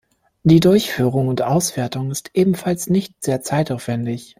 Die Durchführung und Auswertung ist ebenfalls nicht sehr zeitaufwändig.